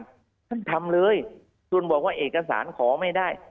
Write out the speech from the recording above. ท่านทำเลยคุณบอกว่าเอกสารขอไม่ได้